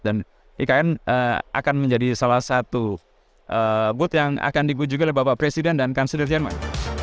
dan ikn akan menjadi salah satu booth yang akan dikujuk oleh bapak presiden dan kanselir jerman